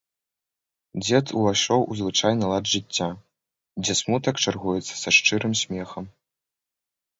Дзед увайшоў у звычайны лад жыцця, дзе смутак чаргуецца са шчырым смехам.